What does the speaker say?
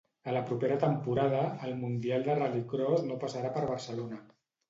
A la propera temporada, el Mundial de Rallycross no passarà per Barcelona.